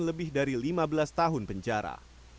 lebih dari lima belas tahun penjara